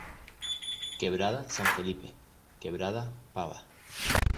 Quebrada San Felipe: Quebrada Pavas.